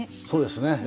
そうですね